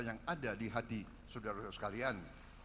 yang ada di hati saudara saudara sekalian